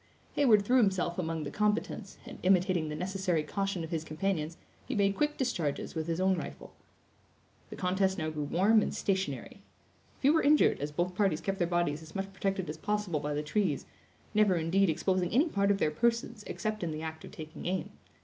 Heyward threw himself among the combatants, and imitating the necessary caution of his companions, he made quick discharges with his own rifle. The contest now grew warm and stationary. Few were injured, as both parties kept their bodies as much protected as possible by the trees; never, indeed, exposing any part of their persons except in the act of taking aim.